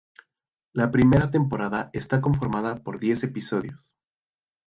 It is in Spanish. La primera temporada está conformada por diez episodios.